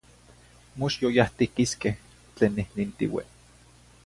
Mox yoyahtiquisque tlen nihnintiue?